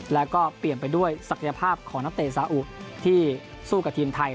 แล้วก็เปลี่ยนไปด้วยศักยภาพของนักเตะสาอุที่สู้กับทีมไทย